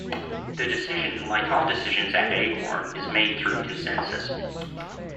The decision, like all decisions at Acorn, is made through consensus.